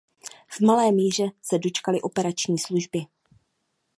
V malé míře se dočkaly operační služby.